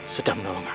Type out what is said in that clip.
sedang menolong aku